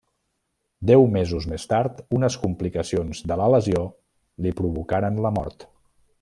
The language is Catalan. Deu mesos més tard, unes complicacions de la lesió li provocaren la mort.